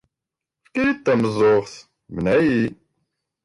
Efk-iyi-d tameẓẓuɣt, mneɛ-iyi!